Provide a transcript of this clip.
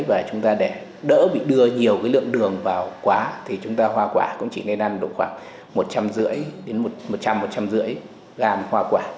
và chúng ta để đỡ bị đưa nhiều cái lượng đường vào quá thì chúng ta hoa quả cũng chỉ nên ăn đủ khoảng một trăm linh một trăm năm mươi gram hoa quả